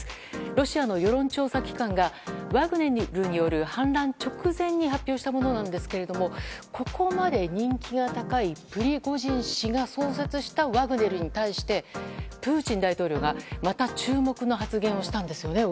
ロシアの世論調査期間がワグネルによる反乱直前に発表したものなんですがここまで人気が高いプリゴジン氏が創設したワグネルに対しプーチン大統領がまた注目の発言をしたんですよね。